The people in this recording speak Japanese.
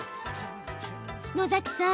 野崎さん